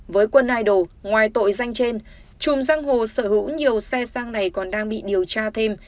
với quân hai đồ ngoài tội danh trên chùm giang hồ sở hữu nhiều xe sang này còn đang bị điều tra thêm